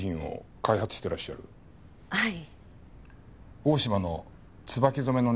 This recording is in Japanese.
はい。